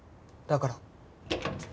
だから。